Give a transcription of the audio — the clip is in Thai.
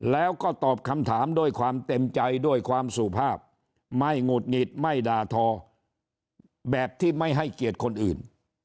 แล้วก็ตอบคำถามด้วยความเต็มใจด้วยความสุภาพไม่หงุดหงิดไม่ด่าทอแบบที่ไม่ให้เกียรติคนอื่น